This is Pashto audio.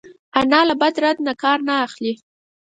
انا له بد رد نه کار نه اخلي